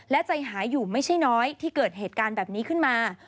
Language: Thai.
และใจหายอยู่ไม่ใช่น้อยที่เกิดเหตุการณ์แบบนี้ขึ้นมา